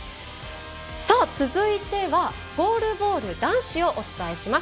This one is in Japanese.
続いては、ゴールボール男子をお伝えします。